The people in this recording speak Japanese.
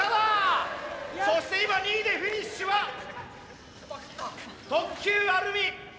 そして今２位でフィニッシュは特急あるみ。